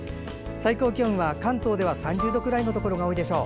最高気温は関東では３０度くらいのところが多いでしょう。